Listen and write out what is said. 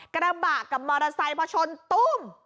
กระบะกับมอเตอร์ไซค์พอชนตุ้ม